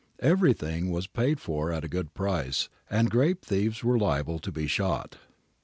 Everything taken was paid for at a good price, and grape thieves were liable to be shot.